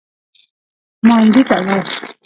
مانجې ته لاړ.